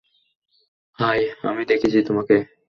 অ্যাই, আমি দেখেছি তোমাকে।